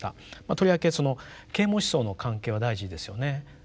とりわけその啓蒙思想の関係は大事ですよね。